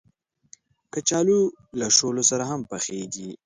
کچالو له شولو سره هم پخېږي